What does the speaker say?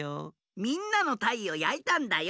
みんなの「たい」をやいたんだよ。